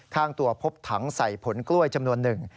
ข้างตัวพบถังใส่ผลกล้วยจำนวนหนึ่ง